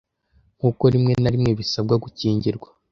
Nkuko rimwe na rimwe bisabwa gukingirwa